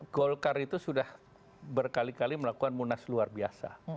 golkar itu sudah berkali kali melakukan munas luar biasa